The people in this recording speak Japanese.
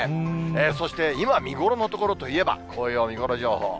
そして今、見頃の所といえば、紅葉見頃情報。